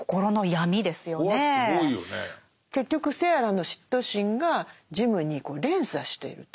結局セアラの嫉妬心がジムに連鎖していると。